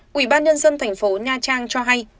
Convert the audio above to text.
quỹ ban nhân dân thành phố nha trang cho hay